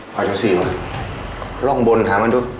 พออย่างสิวะลองบนถามกันดู